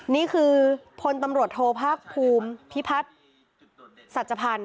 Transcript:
นี่คือพลตำรวจโทภาคภูมิพิพัฒน์สัจพันธ์